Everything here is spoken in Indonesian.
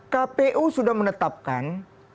kpu sudah menetapkan